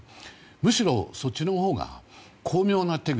むしろ、そっちのほうが巧妙な手口。